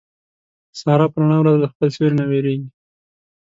ساره په رڼا ورځ له خپل سیوري نه وېرېږي.